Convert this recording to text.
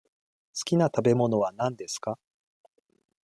すきな食べ物は何ですか。